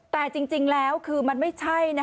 แต่จริงแล้วคือมันไม่ใช่